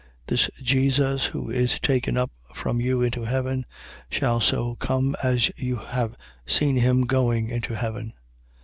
This Jesus who is taken up from you into heaven, shall so come as you have seen him going into heaven.